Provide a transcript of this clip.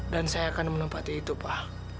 dan saya akan menempati itu pak